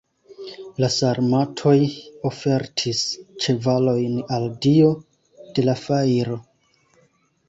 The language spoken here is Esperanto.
La sarmatoj ofertis ĉevalojn al dio de la fajro.